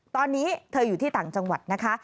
ตอนนี้เธออยู่ที่ต่างจังหวัดนะคะ